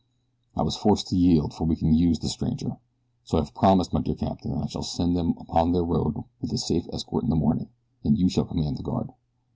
I was forced to yield, for we can use the stranger. So I have promised, my dear captain, that I shall send them upon their road with a safe escort in the morning, and you shall command the guard.